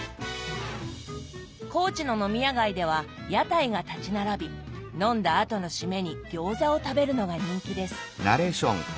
高知の飲み屋街では屋台が立ち並び飲んだ後の締めに餃子を食べるのが人気です。